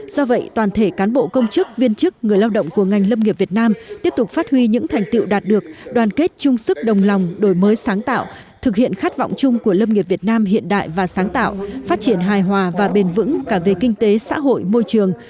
do vậy toàn thể cán bộ công chức viên chức người lao động của ngành lâm nghiệp việt nam tiếp tục phát huy những thành tựu đạt được đoàn kết chung sức đồng lòng đổi mới sáng tạo thực hiện khát vọng chung của lâm nghiệp việt nam hiện đại và sáng tạo phát triển hài hòa và bền vững cả về kinh tế xã hội môi trường